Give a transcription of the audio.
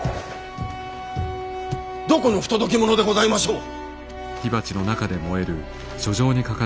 どこの不届き者でございましょう？